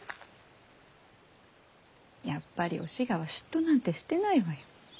やっぱりお志賀は嫉妬なんてしてないわよ。